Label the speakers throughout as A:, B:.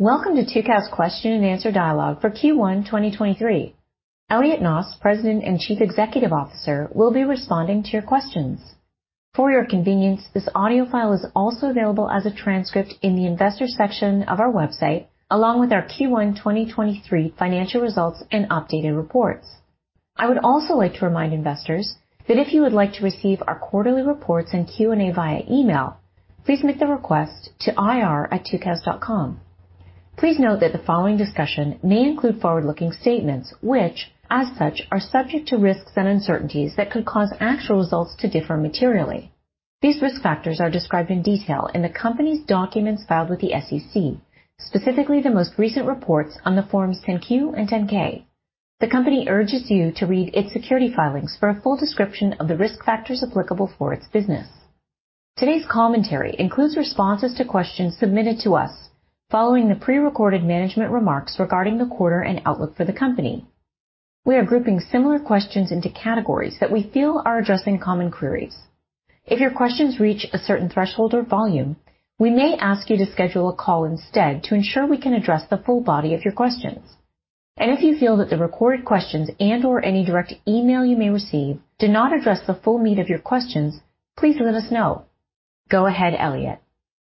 A: Welcome to Tucows question-and-answer dialogue for Q1 2023. Elliot Noss, President and Chief Executive Officer, will be responding to your questions. For your convenience, this audio file is also available as a transcript in the investor section of our website, along with our Q1 2023 financial results and updated reports. I would also like to remind investors that if you would like to receive our quarterly reports and Q&A via email, please make the request to ir@tucows.com. Please note that the following discussion may include forward-looking statements, which, as such, are subject to risks and uncertainties that could cause actual results to differ materially. These risk factors are described in detail in the company's documents filed with the SEC, specifically the most recent reports on the forms 10-Q and 10-K. The company urges you to read its security filings for a full description of the risk factors applicable for its business. Today's commentary includes responses to questions submitted to us following the prerecorded management remarks regarding the quarter and outlook for the company. We are grouping similar questions into categories that we feel are addressing common queries. If your questions reach a certain threshold or volume, we may ask you to schedule a call instead to ensure we can address the full body of your questions. If you feel that the recorded questions and/or any direct email you may receive do not address the full meat of your questions, please let us know. Go ahead, Elliot.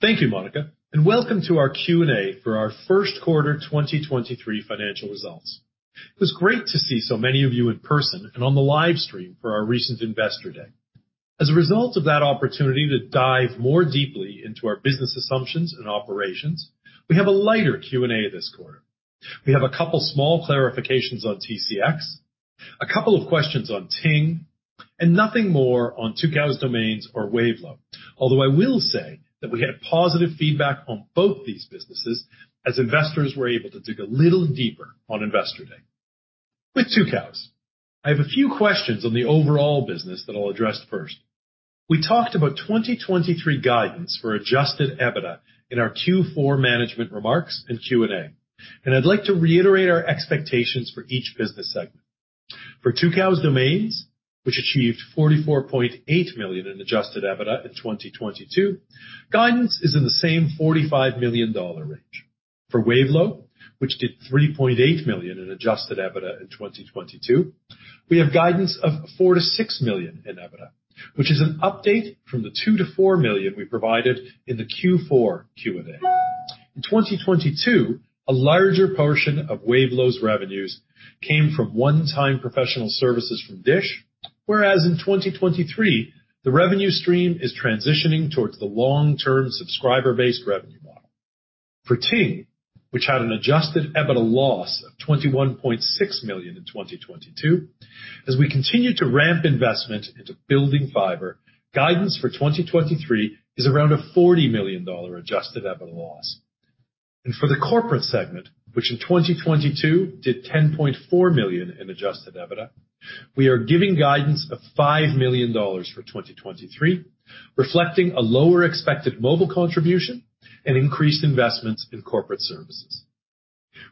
B: Thank you, Monica. Welcome to our Q&A for our first quarter 2023 financial results. It was great to see so many of you in person and on the live stream for our recent Investor Day. As a result of that opportunity to dive more deeply into our business assumptions and operations, we have a lighter Q&A this quarter. We have a couple of small clarifications on TCX, a couple of questions on Ting, and nothing more on Tucows Domains or Wavelo. I will say that we had positive feedback on both these businesses as investors were able to dig a little deeper on Investor Day. With Tucows, I have a few questions on the overall business that I'll address first. We talked about 2023 guidance for Adjusted EBITDA in our Q4 management remarks and Q&A. I'd like to reiterate our expectations for each business segment. For Tucows Domains, which achieved $44.8 million in Adjusted EBITDA in 2022, guidance is in the same $45 million range. For Wavelo, which did $3.8 million in Adjusted EBITDA in 2022, we have guidance of $4 million-$6 million in EBITDA, which is an update from the $2 million-$4 million we provided in the Q4 Q&A. In 2022, a larger portion of Wavelo's revenues came from one-time professional services from DISH, whereas in 2023, the revenue stream is transitioning towards the long-term subscriber-based revenue model. For Ting, which had an Adjusted EBITDA loss of $21.6 million in 2022, as we continue to ramp investment into building fiber, guidance for 2023 is around a $40 million Adjusted EBITDA loss. For the corporate segment, which in 2022 did $10.4 million in Adjusted EBITDA, we are giving guidance of $5 million for 2023, reflecting a lower expected mobile contribution and increased investments in corporate services.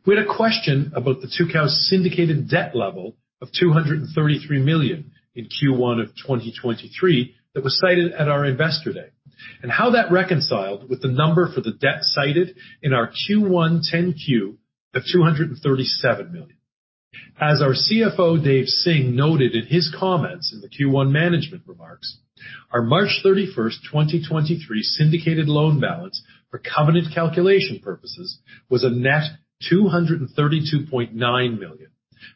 B: We had a question about the Tucows syndicated debt level of $233 million in Q1 of 2023 that was cited at our Investor Day, and how that reconciled with the number for the debt cited in our Q1 10-Q of $237 million. As our CFO, Dave Singh, noted in his comments in the Q1 management remarks, our March 31st, 2023 syndicated loan balance for covenant calculation purposes was a net $232.9 million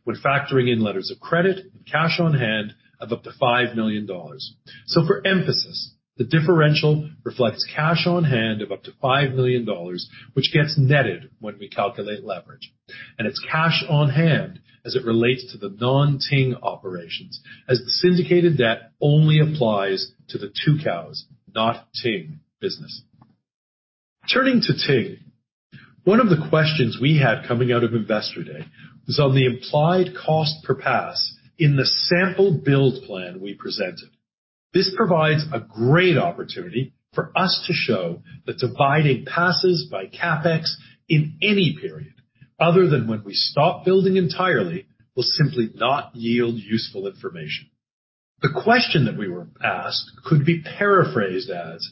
B: when factoring in letters of credit and cash on hand of up to $5 million. For emphasis, the differential reflects cash on hand of up to $5 million, which gets netted when we calculate leverage, and it's cash on hand as it relates to the non-Ting operations, as the syndicated debt only applies to the Tucows, not Ting business. Turning to Ting, one of the questions we had coming out of Investor Day was on the implied cost per pass in the sample build plan we presented. This provides a great opportunity for us to show that dividing passes by CapEx in any period, other than when we stop building entirely, will simply not yield useful information. The question that we were asked could be paraphrased as: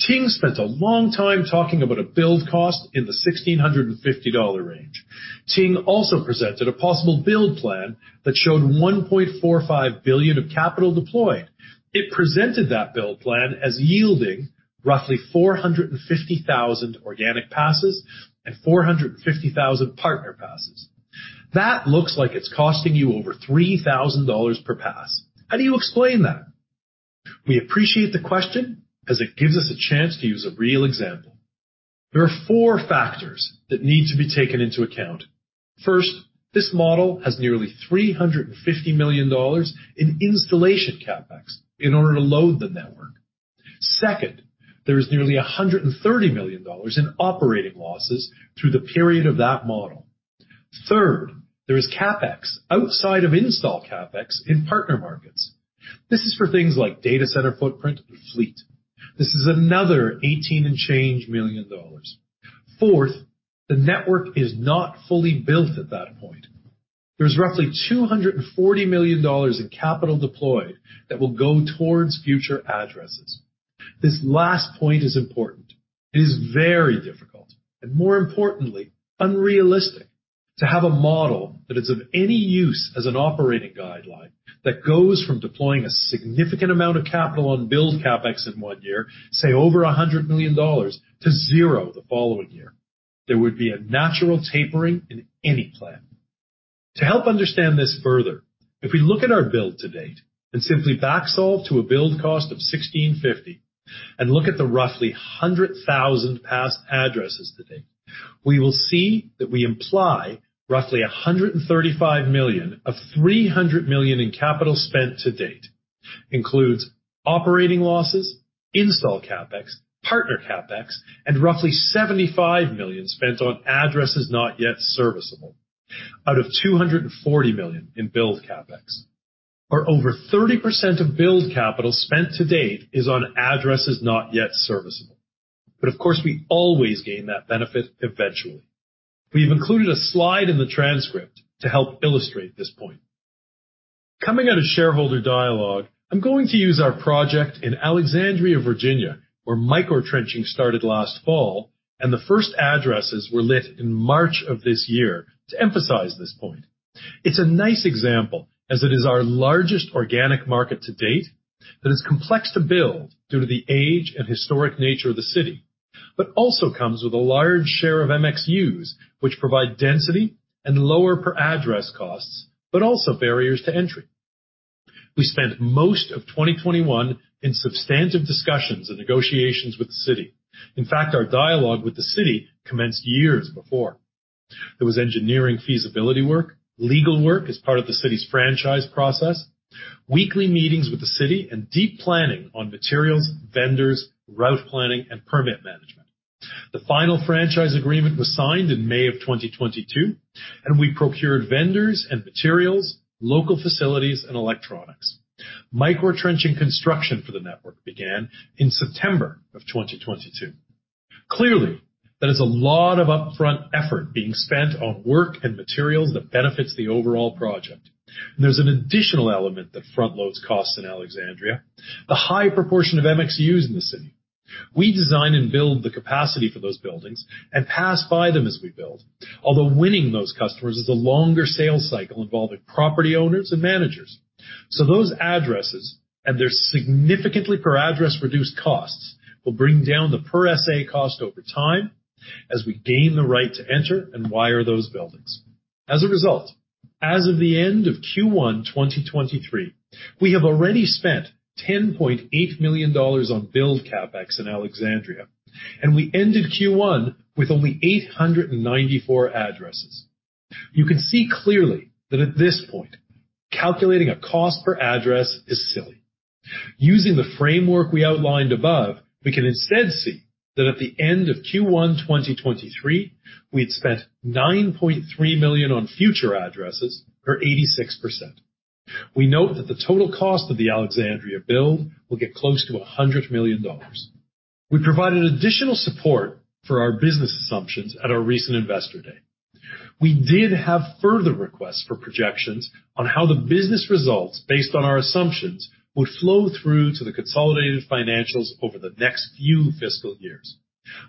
B: Ting spent a long time talking about a build cost in the $1,650 range. Ting also presented a possible build plan that showed $1.45 billion of capital deployed. It presented that build plan as yielding roughly 450,000 organic passes and 450,000 partner passes. That looks like it's costing you over $3,000 per pass. How do you explain that? We appreciate the question 'cause it gives us a chance to use a real example. There are four factors that need to be taken into account. First, this model has nearly $350 million in installation CapEx in order to load the network. Second, there is nearly $130 million in operating losses through the period of that model. Third, there is CapEx outside of install CapEx in partner markets. This is for things like data center, footprint, and fleet. This is another $18 and change million dollars. Fourth, the network is not fully built at that point. There's roughly $240 million in capital deployed that will go towards future addresses. This last point is important. It is very difficult, and more importantly, unrealistic, to have a model that is of any use as an operating guideline that goes from deploying a significant amount of capital on build CapEx in one year, say over $100 million, to zero the following year. There would be a natural tapering in any plan. To help understand this further, if we look at our build to date and simply backsolve to a build cost of $1,650, and look at the roughly 100,000 past addresses to date, we will see that we imply roughly $135 million of $300 million in capital spent to date, includes operating losses, install CapEx, partner CapEx, and roughly $75 million spent on addresses not yet serviceable, out of $240 million in build CapEx, or over 30% of build capital spent to date is on addresses not yet serviceable. Of course, we always gain that benefit eventually. We've included a slide in the transcript to help illustrate this point. Coming out of shareholder dialogue, I'm going to use our project in Alexandria, Virginia, where microtrenching started last fall, and the first addresses were lit in March of this year to emphasize this point. It's a nice example, as it is our largest organic market to date, that is complex to build due to the age and historic nature of the city, but also comes with a large share of MDUs, which provide density and lower per-address costs, but also barriers to entry. We spent most of 2021 in substantive discussions and negotiations with the city. In fact, our dialogue with the city commenced years before. There was engineering feasibility work, legal work as part of the city's franchise process, weekly meetings with the city, and deep planning on materials, vendors, route planning, and permit management. The final franchise agreement was signed in May of 2022, we procured vendors and materials, local facilities, and electronics. Microtrenching construction for the network began in September of 2022. Clearly, that is a lot of upfront effort being spent on work and materials that benefits the overall project. There's an additional element that front loads costs in Alexandria, the high proportion of MDUs in the city. We design and build the capacity for those buildings and pass by them as we build. Although winning those customers is a longer sales cycle involving property owners and managers. Those addresses, and their significantly per-address reduced costs, will bring down the per-SA cost over time as we gain the right to enter and wire those buildings. As a result, as of the end of Q1 2023, we have already spent $10.8 million on build CapEx in Alexandria. We ended Q1 with only 894 addresses. You can see clearly that at this point, calculating a cost per address is silly. Using the framework we outlined above, we can instead see that at the end of Q1 2023, we'd spent $9.3 million on future addresses for 86%. We note that the total cost of the Alexandria build will get close to $100 million. We provided additional support for our business assumptions at our recent Investor Day. We did have further requests for projections on how the business results, based on our assumptions, would flow through to the consolidated financials over the next few fiscal years.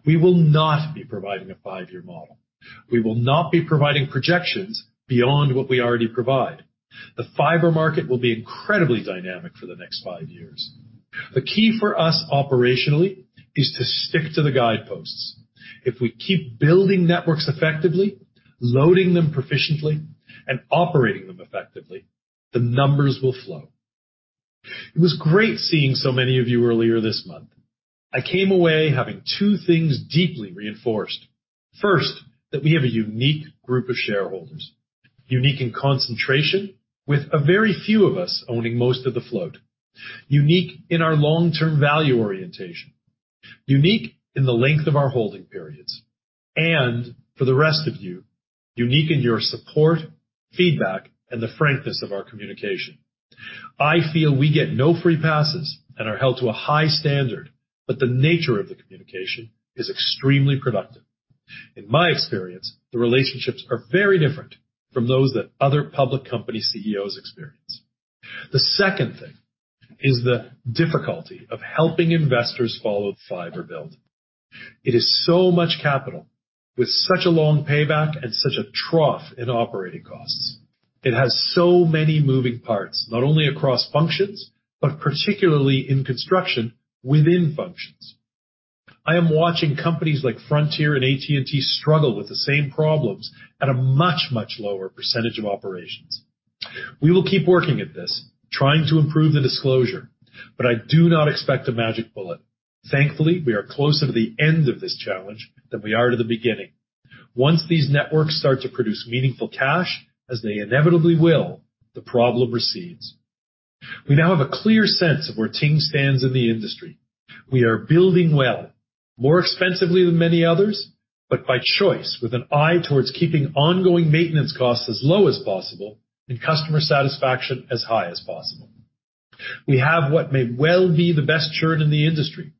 B: We will not be providing a five-year model. We will not be providing projections beyond what we already provide. The fiber market will be incredibly dynamic for the next five years. The key for us operationally is to stick to the guideposts. If we keep building networks effectively, loading them proficiently, and operating them effectively, the numbers will flow. It was great seeing so many of you earlier this month. I came away having two things deeply reinforced. First, that we have a unique group of shareholders, unique in concentration, with a very few of us owning most of the float, unique in our long-term value orientation, unique in the length of our holding periods, and for the rest of you, unique in your support, feedback, and the frankness of our communication. I feel we get no free passes and are held to a high standard, but the nature of the communication is extremely productive. In my experience, the relationships are very different from those that other public company CEOs experience. The second thing is the difficulty of helping investors follow the fiber build. It is so much capital with such a long payback and such a trough in operating costs. It has so many moving parts, not only across functions, but particularly in construction within functions. I am watching companies like Frontier and AT&T struggle with the same problems at a much, much lower percentage of operations. We will keep working at this, trying to improve the disclosure. I do not expect a magic bullet. Thankfully, we are closer to the end of this challenge than we are to the beginning. Once these networks start to produce meaningful cash, as they inevitably will, the problem recedes. We now have a clear sense of where Ting stands in the industry. We are building well, more expensively than many others, By choice, with an eye towards keeping ongoing maintenance costs as low as possible and customer satisfaction as high as possible. We have what may well be the best churn in the industry.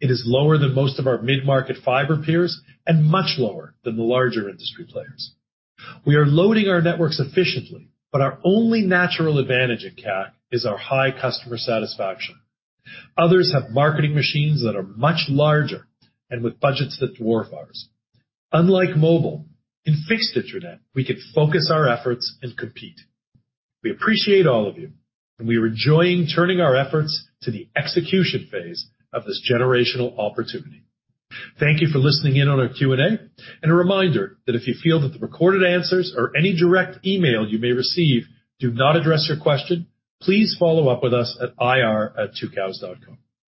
B: It is lower than most of our mid-market fiber peers and much lower than the larger industry players. We are loading our networks efficiently, Our only natural advantage at CAC is our high customer satisfaction. Others have marketing machines that are much larger and with budgets that dwarf ours. Unlike mobile, in fixed internet, we could focus our efforts and compete. We appreciate all of you, We are enjoying turning our efforts to the execution phase of this generational opportunity. Thank you for listening in on our Q&A. A reminder that if you feel that the recorded answers or any direct email you may receive do not address your question, please follow up with us at ir@tucows.com.